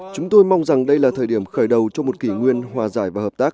chúng tôi mong rằng đây là thời điểm khởi đầu cho một kỷ nguyên hòa giải và hợp tác